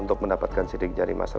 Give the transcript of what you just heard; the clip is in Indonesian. akunya gak ada jalan ulang